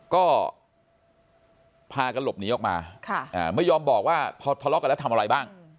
ก็พากันหลบหนีออกมาไม่ยอมบอกว่าพอทะเลาะกันแล้วทำอะไรบ้าง